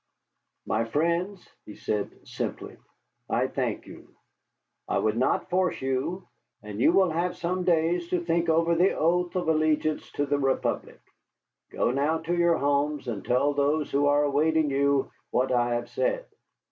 "My friends," he said simply, "I thank you. I would not force you, and you will have some days to think over the oath of allegiance to the Republic. Go now to your homes, and tell those who are awaiting you what I have said.